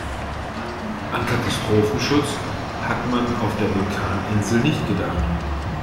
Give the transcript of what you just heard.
An Katastrophenschutz hat man auf der Vulkaninsel nicht gedacht.